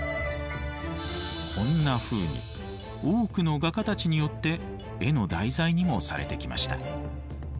こんなふうに多くの画家たちによって絵の題材にもされてきました。